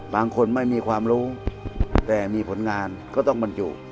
ไม่มีความรู้แต่มีผลงานก็ต้องบรรจุ